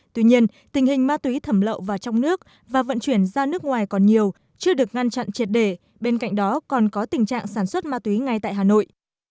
tuy nhiên tình hình ma túy thẩm lậu vào trong nước và vận chuyển ra nước ngoài còn nhiều chưa được ngăn chặn triệt để bên cạnh đó còn có tình trạng sản xuất ma túy ngay tại hà nội